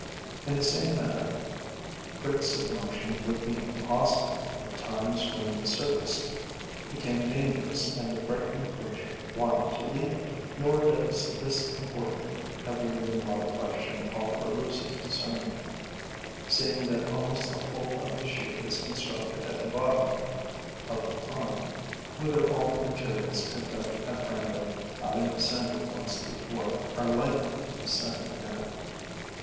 In the same manner, quick submersion would be impossible at times when the surface became dangerous and the frightened creature wanted to leave it. Nor does this important heavier than water question call for lucid discernment, seeing that almost the whole of the sheath is constructed at the bottom of the pond, whither all the materials picked up at random, having descended once before, are likely to descend again.